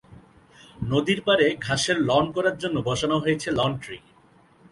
নদীর পাড়ে ঘাসের লন করার জন্য বসানো হয়েছে লন ট্রি।